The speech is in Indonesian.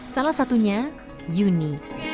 salah satunya yuni